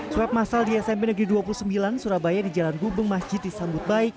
swab masal di smp negeri dua puluh sembilan surabaya di jalan gubeng masjid disambut baik